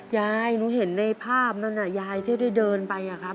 ยายหนูเห็นในภาพนั้นยายที่ได้เดินไปอะครับ